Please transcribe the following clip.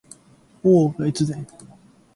大岡越前